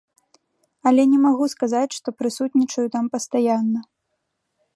Але не магу сказаць, што прысутнічаю там пастаянна.